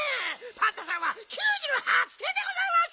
パンタさんは９８てんでございます！